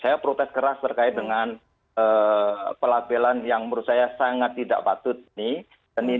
saya protes keras terkait dengan pelabelan yang menurut saya sangat tidak patut ini